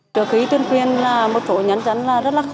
trước khi tuyên khuyên là một chỗ nhắn chắn là rất là khó